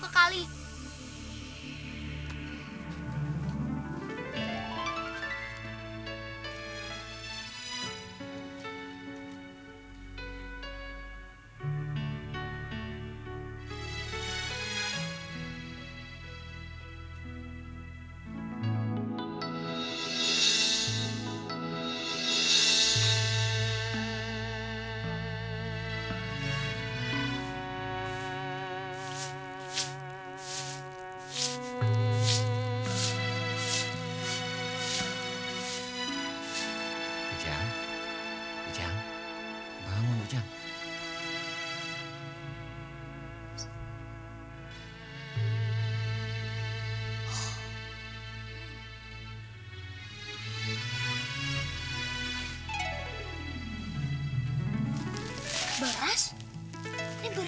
aku akan membantumu